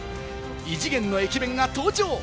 異次元の駅弁が登場。